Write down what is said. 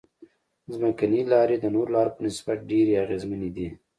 ځمکنۍ لارې د نورو لارو په نسبت ډېرې اغیزمنې دي